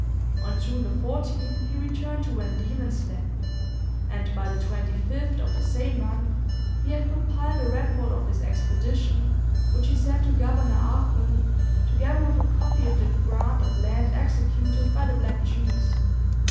On June 14th he returned to Van Diemen's Land, and by the 25th of the same month he had compiled a report of his expedition, which he sent to Governor Arthur, together with a copy of the grant of land executed by the black chiefs.